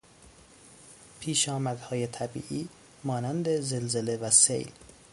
پیشامدهای طبیعی مانند زلزله و سیل